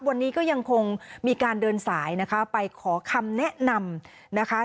วันนี้ก็ยังคงมีการเดินสายนะคะไปขอคำแนะนำนะคะ